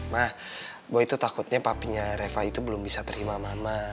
ma boy tuh takutnya papinya reva itu belum bisa terima mama